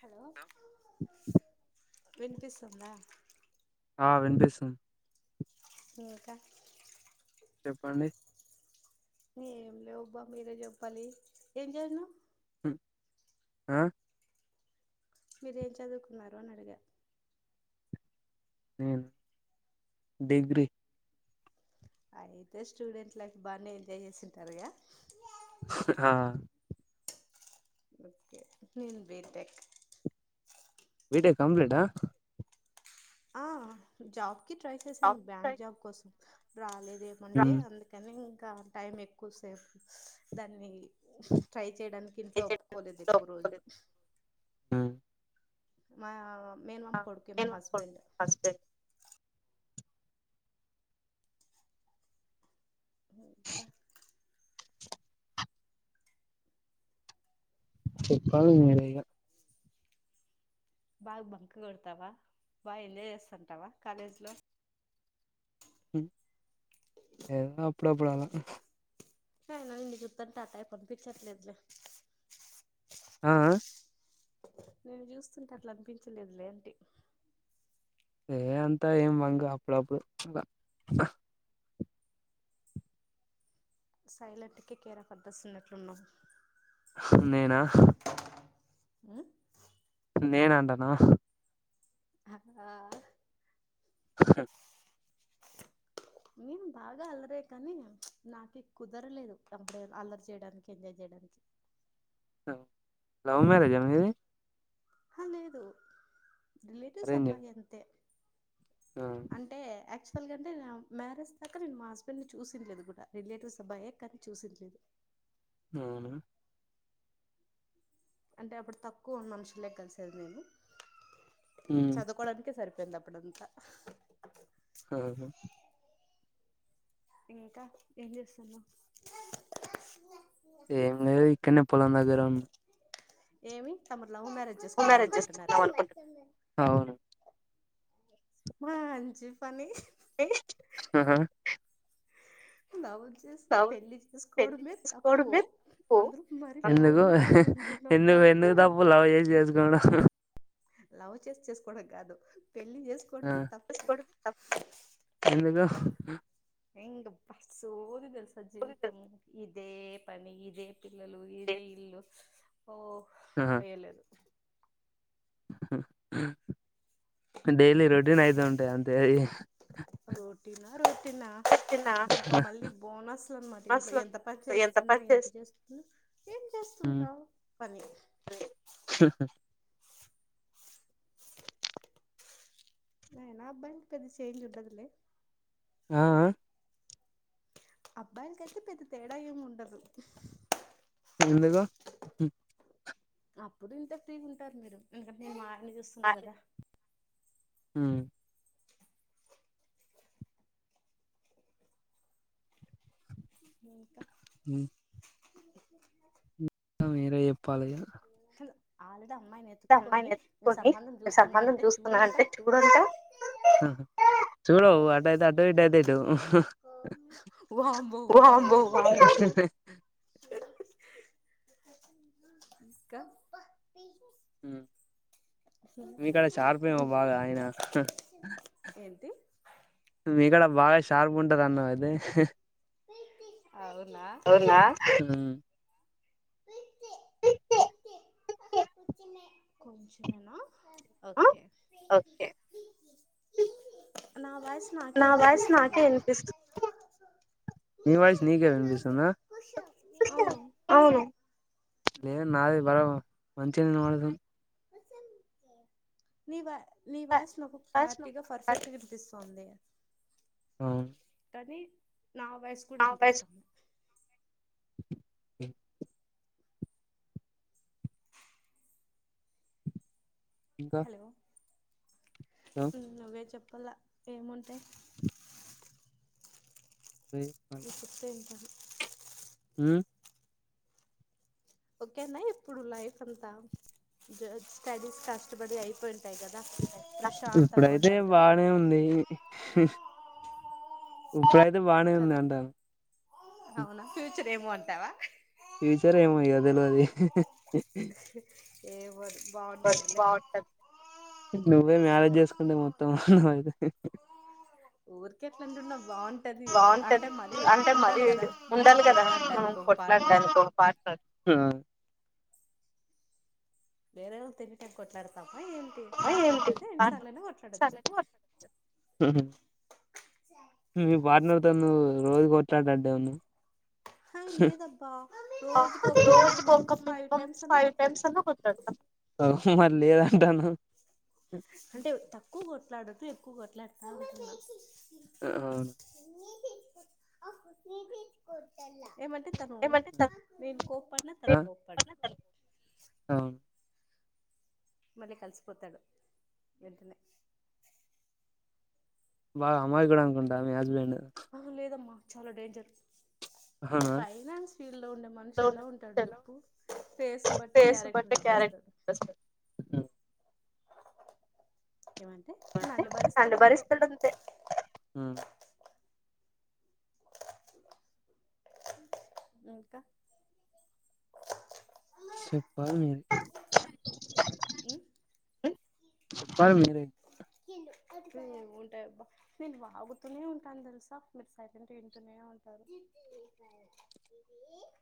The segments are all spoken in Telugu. హలో విన్పిస్తుందా? ఆ విన్పిస్తుంద్ ఇంకా? చెప్పండి ఏం లేవు బా మీరే చెప్పాలి ఏం చేసినావ్? హ్మ్ ఆ మీరు ఏం చదువుకున్నారు అని అడిగా? నేన్ డిగ్రీ అయితే స్టూడెంట్ లైఫ్ బాగానే ఎంజాయ్ చేసింటారుగా? ఆ ఓకే నేను బీటెక్ కంప్లీట్ ఆ ఆ జాబ్ కి ట్రై చేశాను బ్యాంక్ జాబ్ కోసం రాలేద్ ఏమంటే ఉమ్ అందుకని ఇంకా టైం ఎక్కువ సేపు దాన్ని ట్రై చేయడానికి ఇంట్లో ఒప్పుకోలేదు ఎక్కువ రోజులు ఉమ్ మా మేన్మామ్ కొడుకే మా హస్బెండ్ ఇంకా? చెప్పాల్ మీరే ఇగా? బాగా బంక్ కొడతావా బాగా ఎంజాయ్ చేస్తంటావా కాలేజ్ లో ఉమ్ ఏదో అప్పుడు అప్పుడు అలా ఐనా ఎందుకు చెప్తారు టాటాయి పంపిచట్లేదులే ఆ అ నిన్ను చూస్తుంటే అట్లా అనిపించలేదులే లే అంటి ఏ అంతా ఏం బంక్ అప్పుడప్పుడు ప్చ్ సైలెంట్ కి కేరాఫ్ అడ్రస్ ఉన్నట్లు ఉన్నావ్ నేనా? ఆ నేను అన్నాన ఆ నేను బాగ అల్లరే కానీ నాకు కుదరలేదు [unintelligible] అల్లరి చేయడానికి ఎంజాయ్ చే అ లవ్ మ్యారేజ మీది అ లేేదు రిలేటివ్స్ అరేంజ్డ్ అబ్బాయి అంతే ఆ అంటే య అసలు కంటే మ్యారేజ్ దాకా నేను మా హస్బెండ్ ని చుసిండ్లేదు కూడా రిలేటివ్స్ అబాయే కాని చూసీన్ట్లే అవును అంటే అప్పుడు తక్కువ ఉన్న మనుషులే కలిసేది నేను ఉమ్ చదువుకోవడానికే సరిపోధీ వెళప్పుడంతా హ ఇంకా ఏం చేస్తున్నావ్ ఏమి లేదు ఇక్కనే పోలం దగ్గర ఏమి తమరు లవ్ మ్యారేజ్ లవ్ చేసుకుందాం మ్యారేజ్ అనుకుంటున్నారా చేసుకుందాం అనుకుంటే అవును మాంచి పని ఆా నవ్వు పెళ్లి చేసుకోవడమే తప్పు చదువుకోవడమే తప్పు అందరు మరి లవ్ ఎందుకు మ్యారేజ్ ఉంటున్నా ఎందుకు ఎందుకు తప్పు లవ్ చేసే చేసుకొడం లవ్ చేసి చేసుకోవడం కాదు పెళ్లి ఆ చేసుకోవడమే త ఆ అబ్బా సోది తెల్సా జీవితము ఇదే పని ఇదే పిల్లలు ఇదే ఇల్లు ఓ ఆహా అయ్యలేదు డైలీ రొటీన్ అయితుంటాయి అంతే అయి రోటీనా రోటిన తిన్నా ఇంకా మళ్లీ బోనస్లు అన్నమాట ఇంట్ల మస్తు ఎంత పని పని చేస్తున్నాయి ఎంత చేస్ చేస్తు ఏం చేస్తుంటావు పని అయినా అబ్బాయిలకు పెద్ద చేంజ్ ఉండదులే ఆ ఆ అబ్బాయిలకు అయితే పెద్ద తేడా ఏం ఉండదు ఎందుకు అప్పుడు ఇంతే ఫ్రీగా ఉంటారు మీరు ఎందుకంటే నేను మా ఆయనని చూస్తున్నా కదా మ్ ఇంక ఉ మీరే చెప్పాలి ఇగ ఆల్రెడీ అమ్మాయిని అమ్మాయిని ఎతుక్కొని నేను పెట్టుకొని సంబంధం చూస్తున్నా సంబంధం అంటే చూస్తున్నా చూడంటా అంటే చూడు అంటావ్ [unintelligible] అటైయితే అటు ఇటైతే ఇటు వామ్మో వామ్మో తీస్ ఉ మీ కాడా షార్పేమో బాగా అయినా ఏంటి మీ కాడా బాగ ష్ షార్ప్ ఉంటరన్నా అయితే. అవునా ఉమ్ కొంచమేనా ఆ ఓకె. ఓకే నా వాయిస్ నాకే నా వాయిస్ నాకే వినిపిస్తుంది ఇనిపిస్తు నీ వాయిస్ నీకే వినిపిస్తుందా? అవును అవును. ఏం నాది బాగా మంచిగ వినబడుతుంది. నివా ని వాయిస్ నాకు క్లారిటీ గా పర్ఫెక్ట్ గా వినిపిస్తోంది. ఆ కానీ నా వాయిస్ కూడా ఇనిపిస్తాంది ఇంకా హలో నువ్వే చెప్పల్ల. ఏముంటాయి? నువ్వు చెప్తే ఇంటాను. మ్ ఓకేనా ఇప్పుడు లైఫ్ అంతా స్టడీస్ కష్టపడి అయిపోయి ఇప్పుడైతే కదా బానే ఉంది ఉషార్ అయితే బానే ఉంది చదువు అంటాన్న అవునా ఫ్యూచర్ ఏమో అంటావా ఫ్యూచర్ ఏమో ఇగ తెలువది ఏమవదు బాగుంటాదిలే. నువ్వే మ్యారేజ్ చేసుకుంటే మొత్తం అయితాది ఊరికే అట్లంటన్న బావుంటది. అంటే బాగుంటది మరీ, అంటే ఉండాలి కదా మనం కొట్లాడ్డానికి పా కొట్లాడ్డానికి ఓ పార్ట్నర్ వేరే వాల్ తింటే కొట్లాడతాం మా ఏంటి పార్ట్నర్ తో ఏంటి అయితే ఎన్నిసార్లయినా కొట్లాడొచ్చు. మీ పార్ట్నర్ తో నువ్వు రోజు కొట్లాడటట్టే ఉన్నావ్ హ లేదబ్బ రోజుకొక్క రోజుకు మినిమం ఒక ఫైవ్ టైమ్స్ అన్నా కొట్లాడుతాం. వాహి మరి లేదంటానవ్ అంటే తక్కువ కొట్లాడద్దు ఎక్కువ కొట్లాడతా అంటన్నా. అ అవును ఏమంటే తను నేను కోప్పడినా ఆ తను కోప్పడ్డు. అవును మళ్ళీ కలిసిపోతాడు వెంటనే. బాగా అమాయకుడు అనుకుంటా మీ హస్బెండ్ అహ లేదమ్మ చాలా డేంజర్ అవునా ఫైనాన్స్ ఫీల్డ్ లో ఉండే మనిషి ఎలా ఉంటాడు చెప్పు ఫేస్ ని బట్టి ఫేస్ క్యారెక్టర్ బట్టి చెప్పేస్తాడు. క్యారెక్టర్ అంటే ఏమంటే నన్ని నన్ను భరిస్తాడంతె. భరిస్తాడు ఉమ్ ఇంకా సెప్పాల్ మే కాదు మీరే ఉంటాయి అబ్బా నేను వాగుతూనే ఉంటాను తెలుసా మీరు సైలెంట్ గా వింటూనే ఉంటారు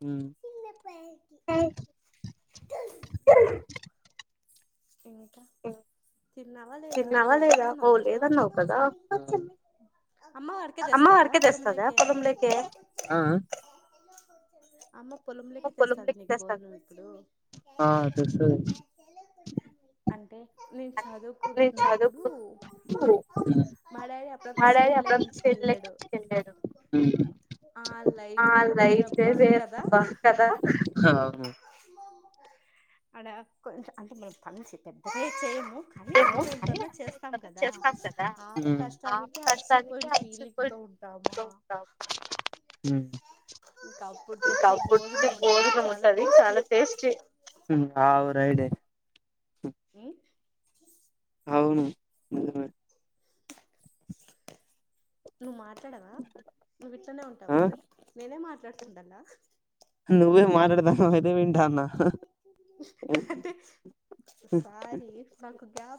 మ్మ్ ఏ అ తిన్నావా లేదా అవ్వ లేదా ఓ లేదన్నావు కదా లేదాన్నావవు కదా అమ్మ వాడికే అమ్మ తెస్తదా వారికే తెస్తదా పొలంలోకి పొలాం లోకి అ అమ్మ పొలంలోకి తెస్తది నీకు భోజనం ఇప్పుడు ఆ తెస్తది అంటే నేను చదువుకుతున్న ఏ డాడీ అప్పుడప్పుడు మా డాడీ సేన్లకి అప్పుడప్పుడు చేను లోకి పిలుచుకెళ్ళాడు టిఫిన్ తేడు ఆ ఆ లైఫే లైఫే వేరవ్వ కదా వేరబ్బ కదా అడ కొంచ అంటే మనం పను పెద్దలేే చేయము కానీ ఏమో అంతో ఇంతా కానీ చేస్తాం కదా కదా ఆ ఆ కష్టానికి కష్టానికి అలసిపోయిన ఫీలింగ్ తో ఉంటామా ఇంకా అప్పుడు ఇంకా తెచ్చి అప్పుట్ భోజనం ఉంటది భోజనం చాలా ఉంటది టేస్టీ చాలా టేస్టీ ఉమ్ అవరైడే హ అవును నిజమే నువ్వు మాట్లాడవా నువ్ ఇట్లనే ఆ ఉంటావా నేనే మాట్లాడుతుండలా నువ్వే మాట్లాడుతన్నావ్ అంటే సారి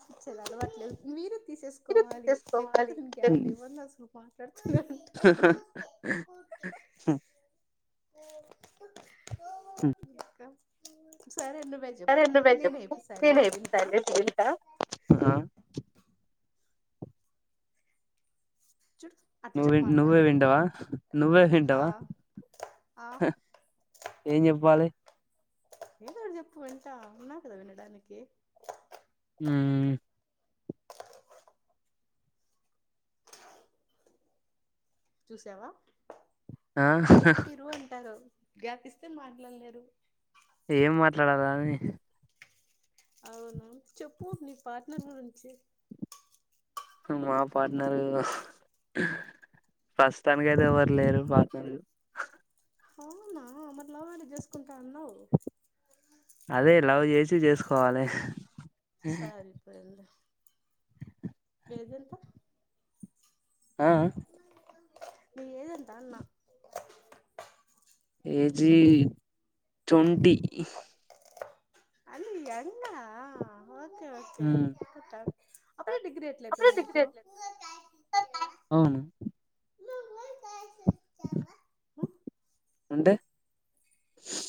అసలే అలవాట్లేద్దు మీరే మీరు తీసేసుకోవాలి లేకపోతే తీసేసుకోవాలి నేను గ్యాప్ ఇవ్వను అసలు మాట్లాడుతునే ఉంటా హా హా కో హా అ సరే నువ్వే చెప్పు చెప్పు నేనే ఇప్పుడు నేనే సైలెంట్గా ఇప్పుడు వుంటా సైలెంట్ గా ఉంటా ఆ చూడు అట్లా నువ్వ కూడా నువ్వే మాట్లాడలేవు వింటావ నువ్వే వింటవ హా ఆ ఏం చెప్పాలి ఏదో చెప్పు వింటా ఉన్నా కదా విన్నడానికి ఆ చూసావా ఆ గ్యాప్ ఇరు అంటారు గ్యాప్పిస్తే మాట్లాలేరు ఏం మాట్లాడాలా అని అవునా చెప్పు నీ పార్ట్నర్ గురించి మా పార్ట్నరు హ్ ప్రస్తుతానికి అయితే ఎవరు లేరు పార్ట్నర్ అవునా మరి లవ్ మ్యారేజ్ చేసుకుంటా అన్నావు అదే లవ్ చేసి చేసుకోవాలే సరిపోయింది ఏజ్ ఎంత ఆ ఆ నీ ఏజ్ ఎంత అన్న ఏజీ ట్వంటిీ అది ఎన్న ఓకే ఓకే అప్పుడుే డిగ్రీ ఎట్ల అప్పుడే అయిపోఇంది డిగ్రీ నీకు అవును అంటే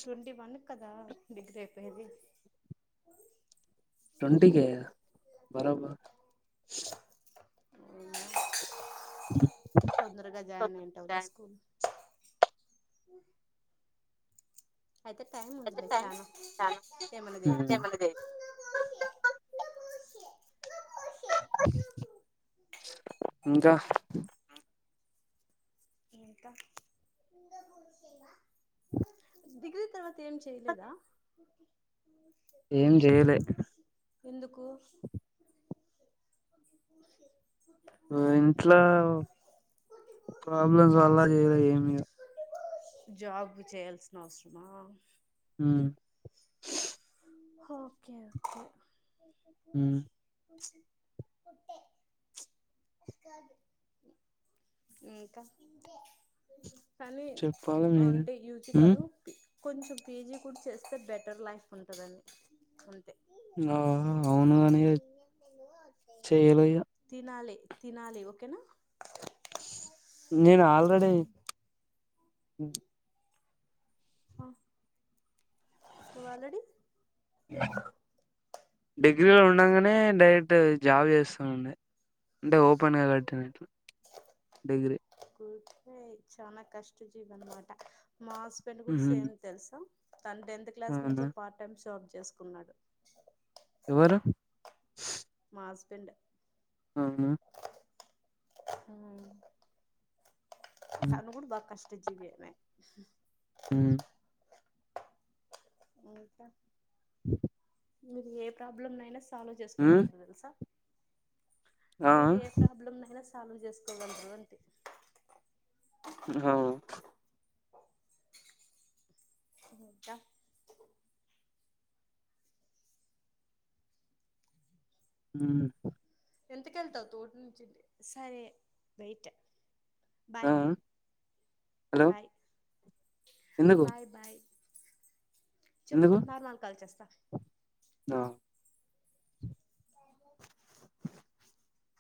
ట్వంటీ వన్ కదా డిగ్రీ అయిపోయేది ట్వంటికే బరబర్ తొందరగా జాయిన్ అయింటావులే స్కూల్ ఆ అయితే టైమ్ ఉంది లే చాన ఏమైనా చేయొచ్చు ఇంకా డిగ్రీ తర్వాత్ త ఏం చెయలేదా ఏం చెయలే ఎందుకు ఇంట్లో ప్రాబ్లమ్స్ వల్ల సి చేయలే ఏమిగ జాబ్ చేయాల్సిన అవసరమా మ్ ఓకే ఓకే ఇంకా కానీ చెప్పాలి మీరే అంటే యూజి ఉమ్, కాదు కొంచెం పీజీ కూడా చేస్తే బెటర్ లైఫ్ ఉంటదని ఆ అవునుగాని ఇగ చెయ్యలే ఇగ తినాలి తినాలి ఓకేనా నేను ఆల్రెడీ ఆ నువ్ ఆల్రడీ డిగ్రీలో ఉండగానే డైరెక్ట్ జాబ్ చేస్తామండి అంటే ఓపెన్ గా కట్టినిట్లా డిగ్రీ చ చాలా కష్ట జీవ అన్నమాట మా హస్బెండ్ కూడా ఉమ్, సేమ్ తెలుసా తను టెన్త్ క్లాస్ నుంచే అవునా పార్ట్ టైమ్ జబ్ చేసుకున్నాడు ఎవరు మా హస్బెండ్ అవునా ఉమ్, అవును కుడా కూడా బ కష్ట జీవినే మ్ ఇంకా ఊహూ మీరు ఏ ప్రాబ్లమ్ అయినా సాల్వ్ ఉమ్, చేసుకోగలుగుతరు తెలుసా ఆ మీరు ఏ ప్రాబ్లమ్ అయినా సాల్వ్ చేసుకోగలరు అంటీ ఆవ్ ఇంక ఊ ఎంత కెళ్తావు తోట నుంచి బయ్ ఆ బయ్ హలో ఎందుకు బాయ్ బాయ్ చెప్తా ఎందుకు నార్మల్ కాల్ చేస్త ఆ హు హు హూ